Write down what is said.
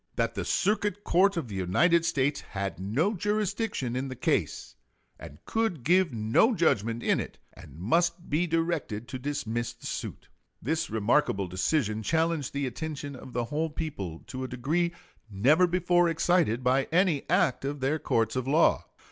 That the Circuit Court of the United States had no jurisdiction in the case and could give no judgment in it, and must be directed to dismiss the suit. This remarkable decision challenged the attention of the whole people to a degree never before excited by any act of their courts of law.